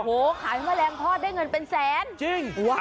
โหขายมะแรงทอดได้เงินเป็นแสนจริง